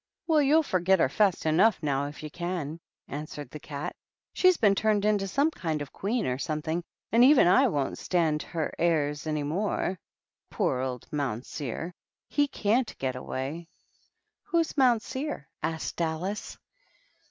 "Well, you'll forget her fast enough now if you can," answered the Cat. " She's been turned into some kind of a Queen or something, and even I won't stand her airs any more. Poor old Moun seer, — he cavHt get away." "Who's Mounseer?" asked Alice.